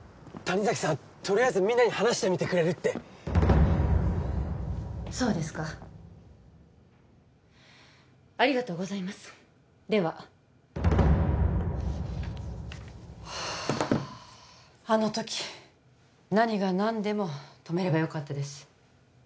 谷崎さんとりあえずみんなに話してみてくれるってそうですかありがとうございますでははああの時何が何でも止めればよかったです